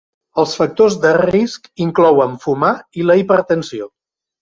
Els factors de risc inclouen fumar i la hipertensió.